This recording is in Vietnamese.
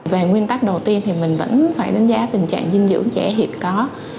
về nguyên tắc đầu tiên thì mình vẫn phải đánh giá tình trạng dinh dưỡng trẻ hiện có